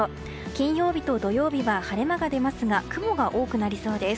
金曜日と土曜日は晴れ間が出ますが雲が多くなりそうです。